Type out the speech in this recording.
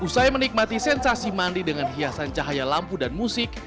usai menikmati sensasi mandi dengan hiasan cahaya lampu dan musik